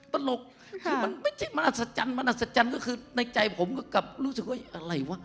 ตลกคือมันไม่ใช่มหัศจรรย์มันอัศจรรย์ก็คือในใจผมก็กลับรู้สึกว่าอะไรวะ